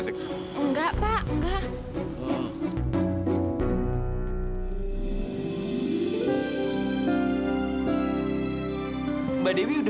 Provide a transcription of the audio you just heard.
saya mau masuk